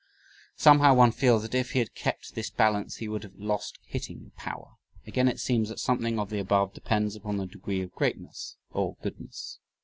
Somehow one feels that if he had kept this balance he would have lost "hitting power." Again, it seems that something of the above depends upon the degree of greatness or goodness.